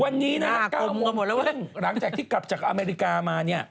วันนี้นะฮะ๙โมงครึ่งหลังจากที่กลับจากอเมริกามาเนี่ย